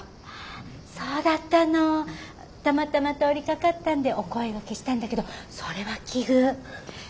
たまたま通りかかったんでお声がけしたんだけどそれは奇遇。